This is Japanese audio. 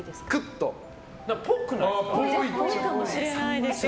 っぽいかもしれないですね。